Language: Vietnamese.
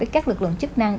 với các lực lượng chức năng